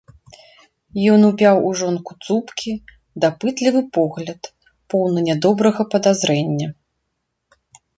Ён упяў у жонку цупкі, дапытлівы погляд, поўны нядобрага падазрэння.